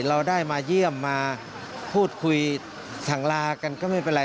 เราได้มาเยี่ยมมาพูดคุยสั่งลากันก็ไม่เป็นไร